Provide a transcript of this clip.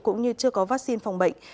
cũng như chưa có vaccine phòng bệnh